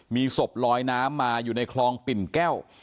มีศพลอยน้ำมาอยู่ในคลองปิ่นแก้ว